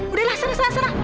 udah lah sana sana